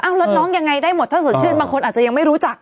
รถน้องยังไงได้หมดถ้าสดชื่นบางคนอาจจะยังไม่รู้จัก